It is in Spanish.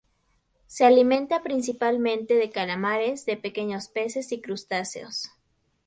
Se alimenta principalmente de calamares, de pequeños peces y crustáceos.